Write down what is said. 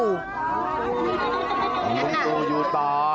ลูกตู่อยู่ต่อ